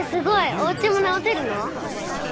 おうちも直せるの？